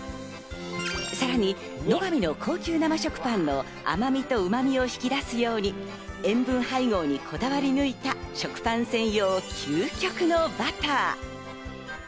さらに乃が美の高級生食パンの甘みとうまみを引き出すように、塩分配合にこだわり抜いた食パン専用、究極のバター。